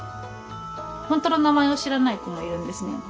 本当の名前を知らない子もいるんですね。